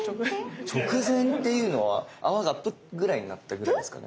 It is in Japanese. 直前っていうのは泡がプッぐらいになったぐらいですかね？